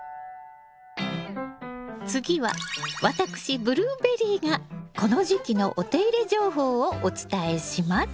次は私ブルーベリーがこの時期のお手入れ情報をお伝えします。